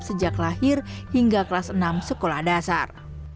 sejak lahir hingga kelas enam sekolah dasar